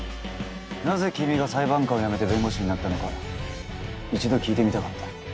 なぜ君が裁判官を辞めて弁護士になったのか一度聞いてみたかった。